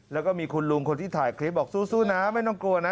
แล้วก็มีคุณลุงคนที่ถ่ายคลิปบอกสู้นะไม่ต้องกลัวนะ